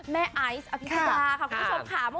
แม่ไอสภิกษาครับคุณผู้ชมค่ะ